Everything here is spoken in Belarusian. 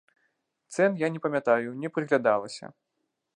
Цэн я не памятаю, не прыглядалася.